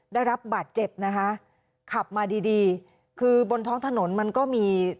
ได้รับบาดเจ็บนะคะขับมาดีดีคือบนท้องถนนมันก็มี